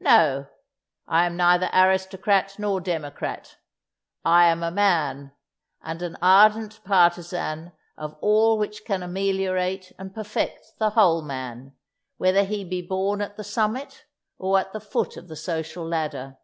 No, I am neither aristocrat nor democrat; I am a man, and an ardent partisan of all which can ameliorate and perfect the whole man, whether he be born at the summit or at the foot of the social ladder.